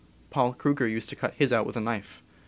Paul Kruger used to cut his out with a knife.